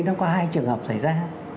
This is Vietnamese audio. nó có hai trường hợp xảy ra